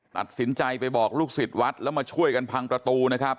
ตัดสินใจไปบอกลูกศิษย์วัดแล้วมาช่วยกันพังประตูนะครับ